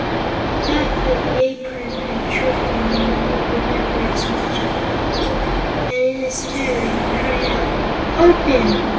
The fact that the Apron had tripped him made Woot remember its magic powers, and in his terror he cried out: "Open!"